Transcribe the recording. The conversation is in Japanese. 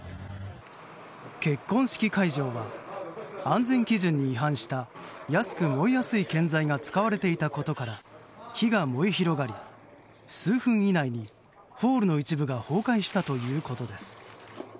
結婚式会場は安全基準に違反した安く燃えやすい建材が使われていたことから火が燃え広がり数分以内にホールの一部が崩壊したということです。